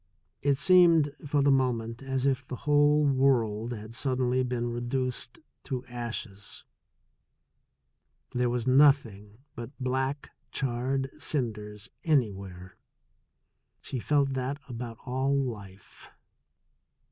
It seemed for the mo ment as if the whole world had suddenly been reduced to ashes, that there was nothing but black charred cinders anywhere — she felt that about all life.